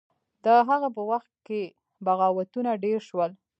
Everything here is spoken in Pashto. د هغه په وخت کې بغاوتونه ډیر شول.